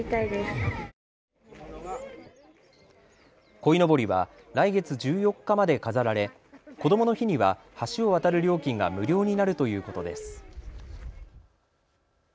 こいのぼりは来月１４日まで飾られ、こどもの日には橋を渡る料金が無料になるということです。